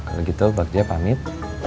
kalau gitu bagja pamit